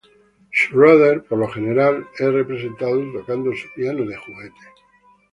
Schroeder por lo general es representado tocando su piano de juguete.